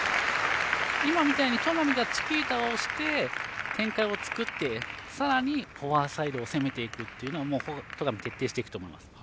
今みたいに戸上がチキータをして展開を作ってさらにフォアサイドを攻めていくっていうのを戸上、徹底していくと思います。